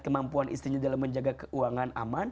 kemampuan istrinya dalam menjaga keuangan aman